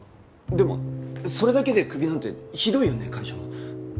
でもそれだけでクビなんてひどいよね会社も。